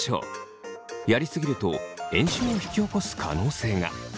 やりすぎると炎症を引き起こす可能性が。